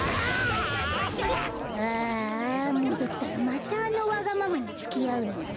ああもどったらまたあのわがままにつきあうのか。